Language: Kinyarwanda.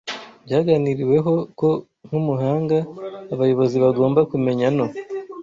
Byaganiriweho ko nk'umuhanga abayobozi bagomba kumenya no